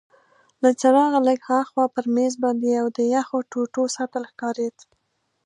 له څراغه لږ هاخوا پر مېز باندي یو د یخو ټوټو سطل ښکارید.